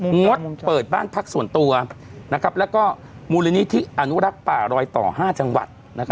งดเปิดบ้านพักส่วนตัวแล้วก็มูลนิธิอนุรักษ์ป่ารอยต่อ๕จังหวัด